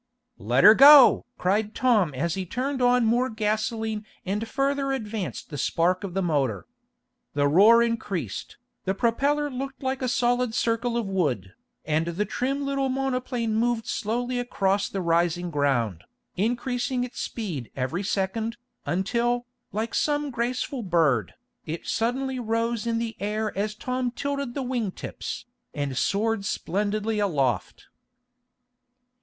"Let her go!" cried Tom as he turned on more gasoline and further advanced the spark of the motor. The roar increased, the propeller looked like a solid circle of wood, and the trim little monoplane moved slowly across the rising ground, increasing its speed every second, until, like some graceful bird, it suddenly rose in the air as Tom tilted the wing tips, and soared splendidly aloft!